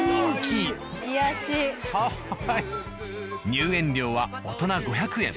入園料は大人５００円